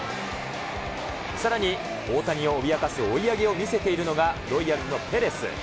さらに大谷を脅かす追い上げを見せているのが、ロイヤルズのぺレス。